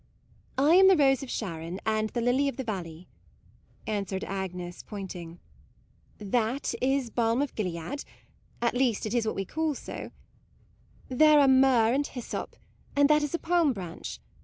"" I am the Rose of Sharon and the Lily of the Valley," answered Agnes pointing :" That is balm of Gilead, at least it is what we call so; there 38 MAUDE are myrrh and hyssop, and that is a palm branch.